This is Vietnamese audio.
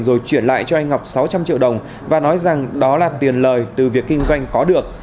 rồi chuyển lại cho anh ngọc sáu trăm linh triệu đồng và nói rằng đó là tiền lời từ việc kinh doanh có được